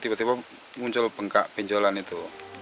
tiba tiba muncul bengkak benjolan itu